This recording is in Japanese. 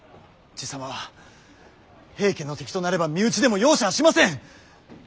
爺様は平家の敵となれば身内でも容赦はしません。